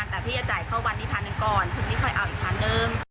แต่พี่จะจ่ายเข้าวันนี้๑๐๐๐นึงก่อน